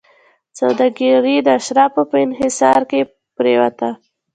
سوداګري د اشرافو په انحصار کې پرېوته.